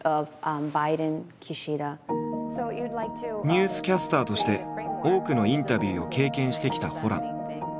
ニュースキャスターとして多くのインタビューを経験してきたホラン。